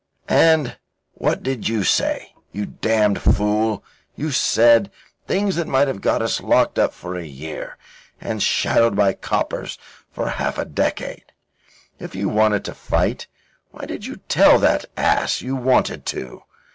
"And what did you say? You damned fool, you said things that might have got us locked up for a year, and shadowed by the coppers for half a decade. If you wanted to fight, why did you tell that ass you wanted to?